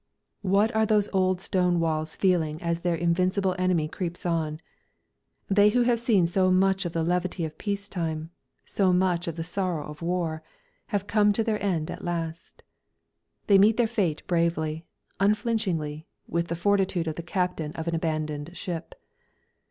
What are those old stone walls feeling as their invincible enemy creeps on? They who have seen so much of the levity of peace time, so much of the sorrow of war, have come to their end at last. They meet their fate bravely, unflinchingly, with the fortitude of the captain of an abandoned ship.